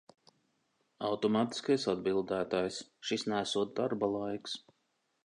Automātiskais atbildētājs, šis neesot darba laiks.